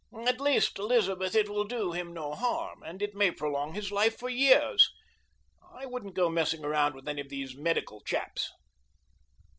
At least, Elizabeth, it will do him no harm, and it may prolong his life for years. I wouldn't go messing around with any of these medical chaps."